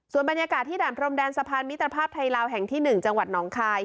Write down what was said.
ส่วนบรรยากาศที่ด่านพรมแดนสะพานมิตรภาพไทยลาวแห่งที่๑จังหวัดหนองคาย